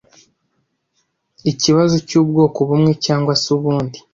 ikibazo cy’ ubwoko bumwe cyangwa se undi